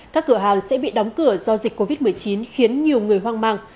các cửa hàng sẽ bị đóng cửa do dịch covid một mươi chín khiến nhiều người hoang mang